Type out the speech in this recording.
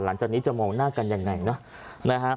หลังจากนี้จะมองหน้ากันยังไงนะ